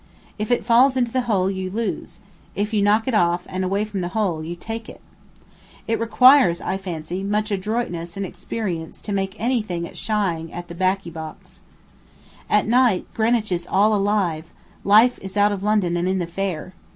If it falls into the hole, you lose; if you knock it off, and away from the hole, you take it. It requires, I fancy, much adroitness and experience to make any thing at "shying" at the "bacca box." At night, Greenwich is all alive life is out of London and in the fair.